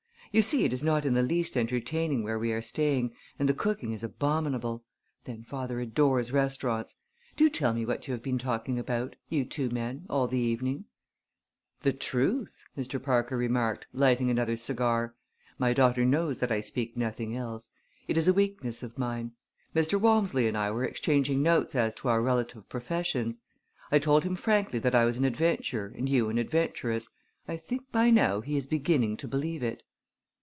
"You see it is not in the least entertaining where we are staying and the cooking is abominable. Then father adores restaurants. Do tell me what you have been talking about you two men all the evening?" "The truth!" Mr. Parker remarked, lighting another cigar. "My daughter knows that I speak nothing else. It is a weakness of mine. Mr. Walmsley and I were exchanging notes as to our relative professions. I told him frankly that I was an adventurer and you an adventuress. I think by now he is beginning to believe it."